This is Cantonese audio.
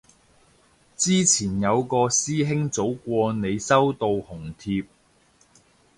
之前有個師兄早過你收到紅帖